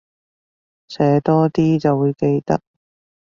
寫多啲就會記得